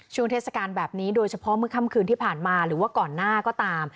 เทศกาลแบบนี้โดยเฉพาะเมื่อค่ำคืนที่ผ่านมาหรือว่าก่อนหน้าก็ตาม